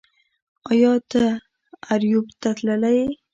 ایا ته اریوب ته تللی یې